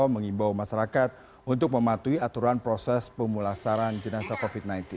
mengimbau masyarakat untuk mematuhi aturan proses pemulasaran jenazah covid sembilan belas